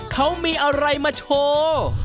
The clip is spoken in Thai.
เขามีอะไรมาโชว์